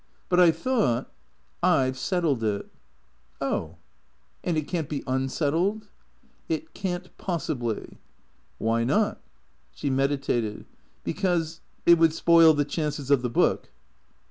"But I thought "" 1 Ve settled it." " Oh. And it can't be unsettled ?"" It can't — possibly." "Why not?" She meditated. " Because — it would spoil the chances of the book."